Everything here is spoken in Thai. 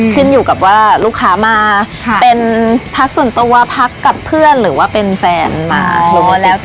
ขึ้นอยู่กับว่าลูกค้ามาเป็นพักส่วนตัวพักกับเพื่อนหรือว่าเป็นแฟนมาแล้ว